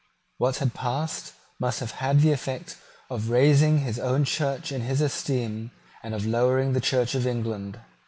What had passed must have had the effect of raising his own Church in his esteem, and of lowering the Church of England.